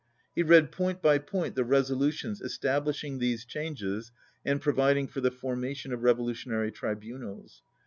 He read point by point the resolutions establishing these changes and providing for the formation of Revo lutionary Tribunals.